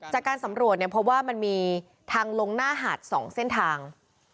จากการสำรวจเนี่ยเพราะว่ามันมีทางลงหน้าหาด๒เส้นทาง